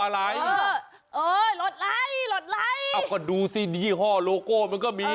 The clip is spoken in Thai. ลดไล